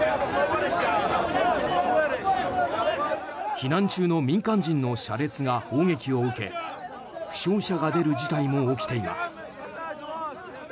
避難中の民間人の車列が砲撃を受け負傷者が出る事態も起きています。